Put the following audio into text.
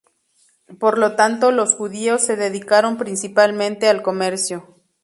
Por lo tanto, los judíos se dedicaron principalmente al comercio.